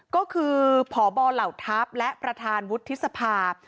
ก็คือพบเหล่าทัพและประธานวุฒิสภา